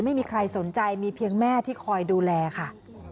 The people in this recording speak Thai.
ไม่มีใครสนใจมีเพียงแม่ที่คอยดูแลค่ะ